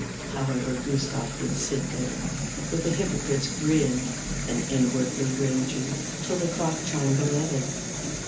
However, Gustave would sit there, with a hypocrite's grin and inwardly raging, till the clock chimed eleven.